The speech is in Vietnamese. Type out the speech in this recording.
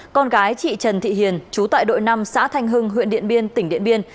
con gái chị trần thị hiền chú tại đội năm xã thanh hưng huyện điện biên tỉnh điện biên